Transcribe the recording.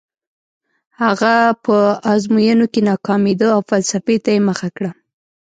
هغه په ازموینو کې ناکامېده او فلسفې ته یې مخه کړه